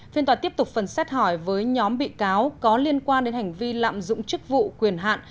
phiên tòa tiếp tục phần xét hỏi với nhóm bị cáo có liên quan đến hành vi lạm dụng chức vụ quyền hạn